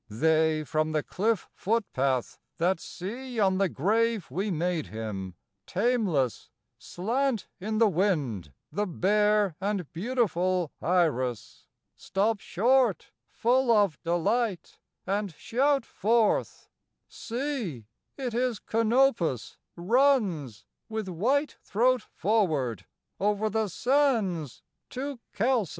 They from the cliff footpath that see on the grave we made him, Tameless, slant in the wind, the bare and beautiful iris, Stop short, full of delight, and shout forth: "See, it is Cnopus Runs, with white throat forward, over the sands to Chalcis!"